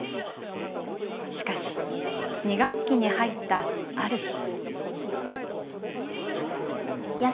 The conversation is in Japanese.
しかし２学期に入ったある日。